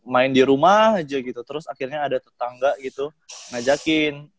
main di rumah aja gitu terus akhirnya ada tetangga gitu ngajakin